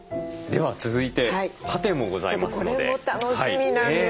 では続いてパテもございますので。